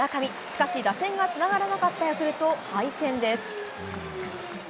しかし打線がつながらなかったヤクルト、敗戦です。